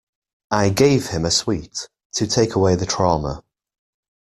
I gave him a sweet, to take away the trauma.